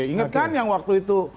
ingatkan yang waktu itu